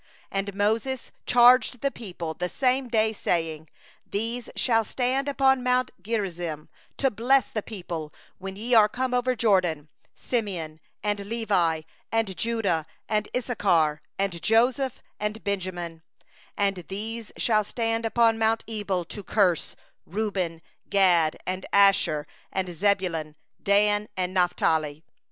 11And Moses charged the people the same day, saying: 12'These shall stand upon mount Gerizim to bless the people, when ye are passed over the Jordan: Simeon, and Levi, and Judah, and Issachar, and Joseph, and Benjamin; 13and these shall stand upon mount Ebal for the curse: Reuben, Gad, and Asher, and Zebulun, Dan, and Naphtali.